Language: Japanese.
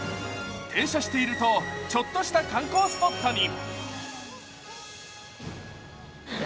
停車していると、ちょっとした観光スポットに。